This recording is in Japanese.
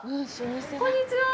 こんにちは。